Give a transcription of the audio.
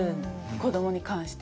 子どもに関して。